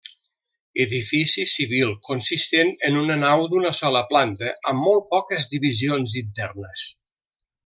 Edifici civil consistent en una nau d'una sola planta amb molt poques divisions internes.